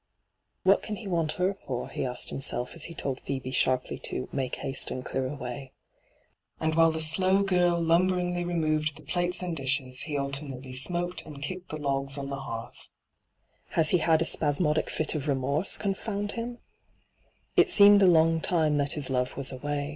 ' What can he want her for V he asked himself as he told Phoebe sharply to ' make haste and clear away.' And while the slow girl lumberingly removed the plates and dishes, he alternately smoked and kicked the 1<^ on hyGoogIc 22 ENTRAPPED the hearth. ' Has he had a spasmodic fit of remorse, confound him V It seemed a long time that his love was away.